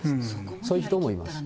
そういう人もいます。